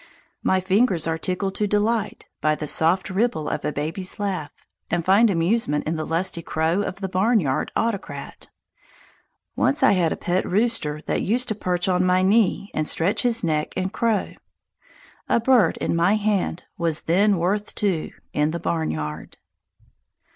My fingers are tickled to delight by the soft ripple of a baby's laugh, and find amusement in the lusty crow of the barnyard autocrat. Once I had a pet rooster that used to perch on my knee and stretch his neck and crow. A bird in my hand was then worth two in the barnyard.